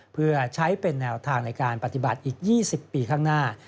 เพื่อใช้เป็นแนวทางในการปฏิบัติอีก๒๐ปีข้างหน้า